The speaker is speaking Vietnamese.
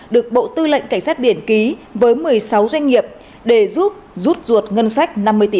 được bộ tư lệnh cảnh sát biển ký với một mươi sáu doanh nghiệp để giúp rút ruột ngân sách